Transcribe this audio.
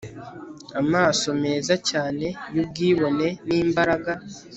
Amaso meza cyane yubwibone nimbaraga